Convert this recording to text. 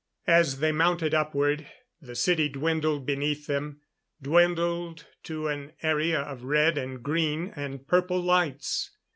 As they mounted upward, the city dwindled beneath them dwindled to an area of red and green and purple lights.